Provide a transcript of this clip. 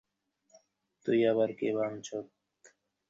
এর পেছনেই শুরু হয়েছে পুরোনো মরিচা ধরা গাড়ির এলোমেলো সারি।